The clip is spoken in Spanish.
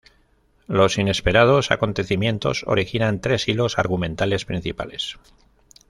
Los inesperados acontecimientos originan tres hilos argumentales principales.